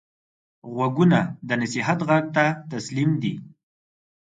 غوږونه د نصیحت غږ ته تسلیم دي